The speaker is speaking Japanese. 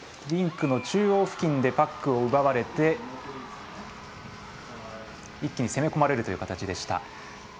リンクの中央付近でパックを奪われて一気に攻め込まれるという形でした。